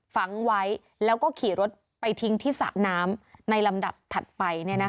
ฝังไว้แล้วก็ขี่รถไปทิ้งที่สระน้ำในลำดับถัดไป